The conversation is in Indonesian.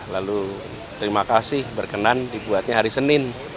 lalu terima kasih berkenan dibuatnya hari senin